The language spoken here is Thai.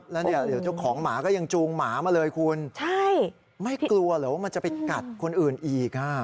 แล้วเดี๋ยวเจ้าของหมาก็ยังจูงหมามาเลยคุณใช่ไม่กลัวเหรอว่ามันจะไปกัดคนอื่นอีก